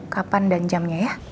kapan dan jamnya ya